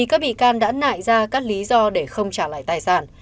can đã nại ra các lý do để không trả lại tài sản